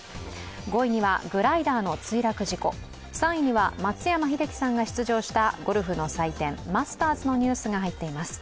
５位にはグライダーの墜落事故、３位には松山英樹さんが出場したゴルフの祭典マスターズのニュースが入っています。